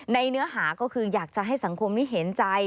เนื้อหาก็คืออยากจะให้สังคมนี้เห็นใจ